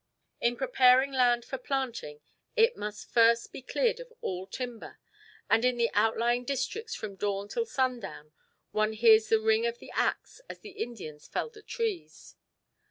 In preparing land for planting it must first be cleared of all timber, and in the outlying districts from dawn till sundown one hears the ring of the axe as the Indians fell the trees.